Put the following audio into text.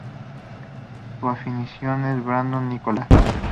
Su anfitrión es Brandon Nicholas.